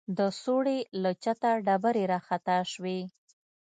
د سوړې له چته ډبرې راخطا سوې.